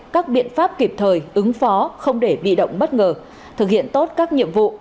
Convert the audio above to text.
các biện pháp kịp thời ứng phó không để bị động bất ngờ thực hiện tốt các nhiệm vụ